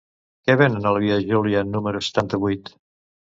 Què venen a la via Júlia número setanta-vuit?